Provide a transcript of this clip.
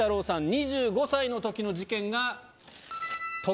さん２５歳のときの事件が。